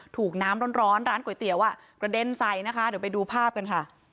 ถูกน้ำร้อนร้านก๋วยเตี๋ยวอ่ะกระเด็นใส่นะคะเดี๋ยวไปดูภาพกันค่ะ